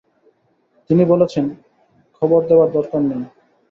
তিনি বলেছেন, খবর দেবার দরকার নেই।